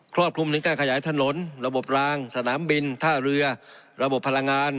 รอบคลุมถึงการขยายถนนระบบรางสนามบินท่าเรือระบบพลังงาน